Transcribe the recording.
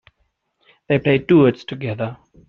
They play duets together.